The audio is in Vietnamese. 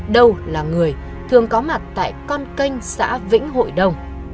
đâu là người thường có mặt tại con kênh xã vĩnh hội đồng